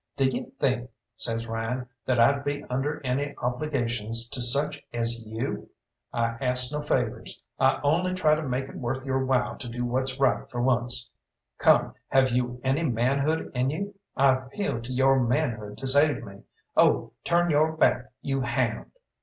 "D'ye think," says Ryan, "that I'd be under any obligations to such as you? I ask no favours. I only try to make it worth your while to do what's right for once. Come, have you any manhood in you? I appeal to your manhood to save me. Oh, turn your back, you hound!"